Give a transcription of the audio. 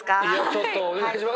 ちょっとお願いします。